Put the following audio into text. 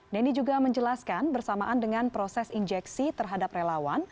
nendi juga menjelaskan bersamaan dengan proses injeksi terhadap relawan